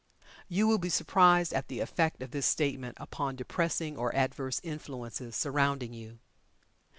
You will be surprised at the effect of this STATEMENT upon depressing, or adverse influences surrounding you.